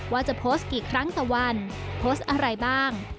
ว่าจะโพสต์กี่ครั้งต่อวันโพสต์อะไรบ้าง